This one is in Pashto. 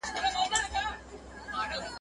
د یاجوجو د ماجوجو دېوالونه به نړېږي ..